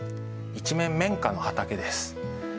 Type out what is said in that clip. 一面綿花の畑です。